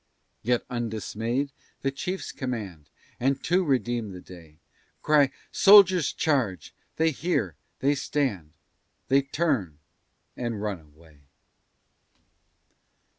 Yet undismay'd the chiefs command, And to redeem the day, Cry, SOLDIERS, CHARGE! they hear, they stand, They turn and run away.